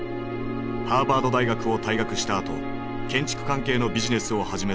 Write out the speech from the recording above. ハーバード大学を退学したあと建築関係のビジネスを始めたが失敗。